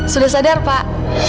sudah sadar pak